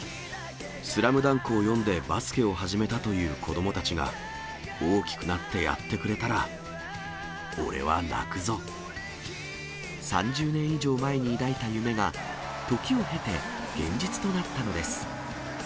ＳＬＡＭＤＵＮＫを読んでバスケを始めたという子どもたちが、大きくなってやってくれたら、３０年以上前に抱いた夢が、時を経て現実となったのです。